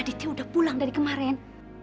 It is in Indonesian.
diti udah pulang dari kemarin